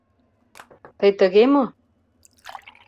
— Тый тыге мо?